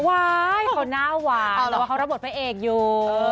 เว้ยยยยเขาหน้าหวานหรือว่าเขารับบทพนักเอกอยู่